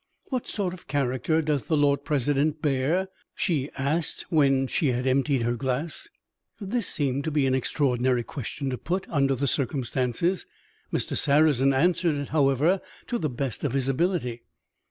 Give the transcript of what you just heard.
"What sort of character does the Lord President bear?" she asked when she had emptied her glass. This seemed to be an extraordinary question to put, under the circumstances. Mr. Sarrazin answered it, however, to the best of his ability.